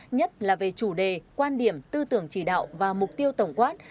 nhất là về chủ đề quan điểm tư tưởng chỉ đạo và mục tiêu tổng quát